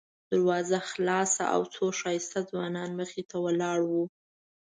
دروازه خلاصه او څو ښایسته ځوانان مخې ته ولاړ وو.